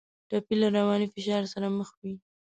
ټپي له رواني فشار سره مخ وي.